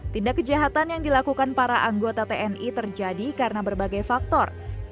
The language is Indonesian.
tindak kejahatan yang dilakukan para anggota tni terjadi karena berbagai faktor